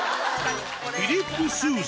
フィリップ・スーザ。